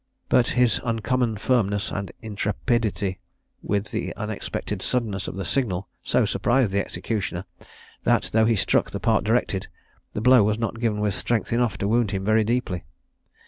But his uncommon firmness and intrepidity, with the unexpected suddenness of the signal, so surprised the executioner, that though he struck the part directed, the blow was not given with strength enough to wound him very deeply.